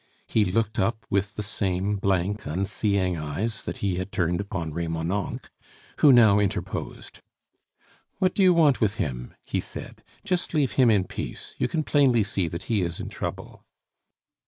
He looked up with the same blank, unseeing eyes that he had turned upon Remonencq, who now interposed. "What do you want with him?" he said. "Just leave him in peace; you can plainly see that he is in trouble."